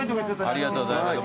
ありがとうございます。